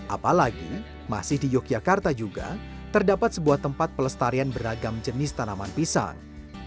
apalagi masih di yogyakarta juga terdapat sebuah tempat pelestarian beragam jenis tanaman pisang